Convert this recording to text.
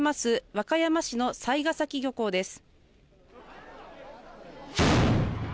和歌山市の雑賀崎漁港です。